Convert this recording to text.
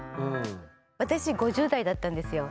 私５０代だったんですよ。